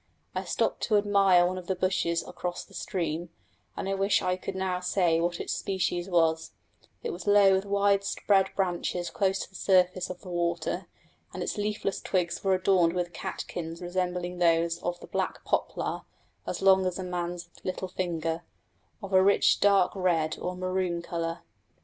I stopped to admire one of the bushes across the stream, and I wish I could now say what its species was: it was low with widespread branches close to the surface of the water, and its leafless twigs were adorned with catkins resembling those of the black poplar, as long as a man's little finger, of a rich dark red or maroon colour.